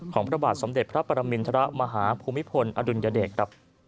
ของพระบาทสมเด็จพระปรมิณธรมาฮภูมิภลอดุญเดช